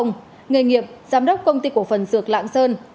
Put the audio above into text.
người nghiệp giám đốc công ty của phần dược lạng sơn